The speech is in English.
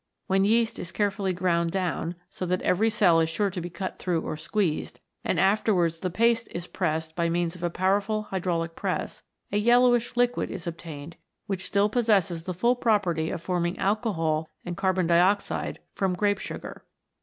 When yeast is carefully ground down, so that every cell is sure to be cut through or squeezed, and afterwards the paste is pressed by means of a powerful hydraulic press, a yellowish liquid is obtained which still possesses the full property of forming alcohol and carbon dioxide from grape sugar.